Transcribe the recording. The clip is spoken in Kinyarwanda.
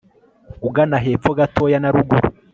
ugana hepfo gatoya na ruguru